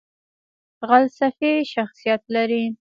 غلسفي شخصیت لري .